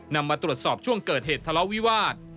มาตรวจสอบช่วงเกิดเหตุทะเลาะวิวาส